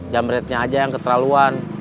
jam rednya aja yang keterlaluan